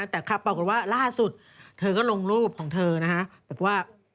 แต่ปรากฏว่าล่าสุดถึงลงรูปของเธอนะ